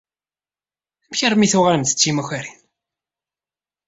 Amek armi i tuɣalemt d timakarin?